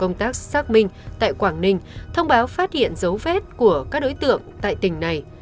công tác xác minh tại quảng ninh thông báo phát hiện dấu vết của các đối tượng tại tỉnh này